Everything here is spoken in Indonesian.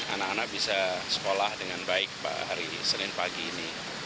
anak anak bisa sekolah dengan baik hari senin pagi ini